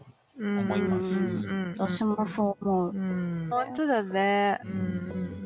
本当だね。